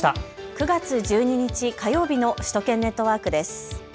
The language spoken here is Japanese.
９月１２日火曜日の首都圏ネットワークです。